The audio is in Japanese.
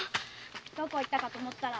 どこ行ったかと思ったら。